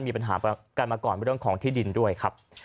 มีปัญหากันมาก่อนเรื่องของที่ดินด้วยครับ